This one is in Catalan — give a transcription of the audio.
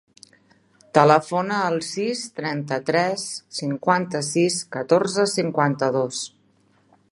Telefona al sis, trenta-tres, cinquanta-sis, catorze, cinquanta-dos.